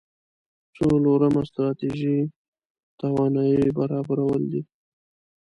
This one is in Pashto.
څلورمه ستراتيژي تواناییو برابرول دي.